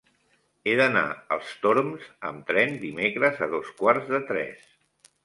He d'anar als Torms amb tren dimecres a dos quarts de tres.